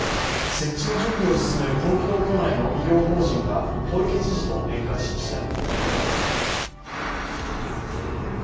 設置の準備を進める東京都内の医療法人が小池知事と面会しました。